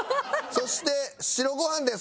そして白ご飯です。